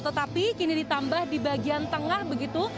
tetapi kini ditambah di bagian tengah begitu